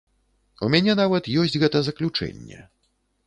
У мяне нават ёсць гэта заключэнне.